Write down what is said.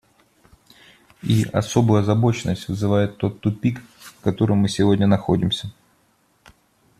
И особую озабоченность вызывает тот тупик, в котором мы сегодня находимся.